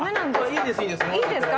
いいですいいです。